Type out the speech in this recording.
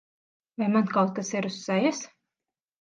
Vai man kaut kas ir uz sejas?